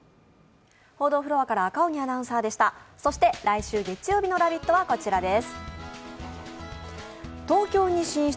来週月曜日の「ラヴィット！」は、こちらです。